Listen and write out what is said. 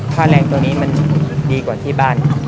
ค่าแรงตัวนี้มันดีกว่าที่บ้าน